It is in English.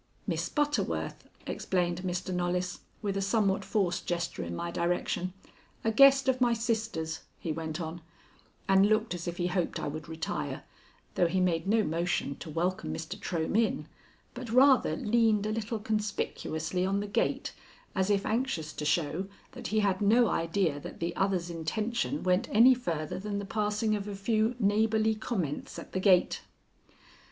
"Miss Butterworth," explained Mr. Knollys with a somewhat forced gesture in my direction. "A guest of my sisters," he went on, and looked as if he hoped I would retire, though he made no motion to welcome Mr. Trohm in, but rather leaned a little conspicuously on the gate as if anxious to show that he had no idea that the other's intention went any further than the passing of a few neighborly comments at the gate.